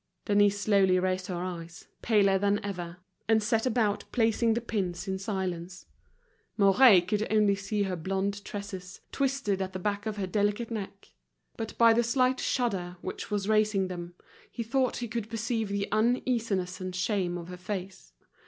Denise slowly raised her eyes, paler than ever, and set about placing the pins in silence. Mouret could only see her blonde tresses, twisted at the back of her delicate neck; but by the slight shudder which was raising them, he thought he could perceive the uneasiness and shame of her face.